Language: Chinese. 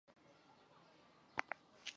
对不起啊记不起来了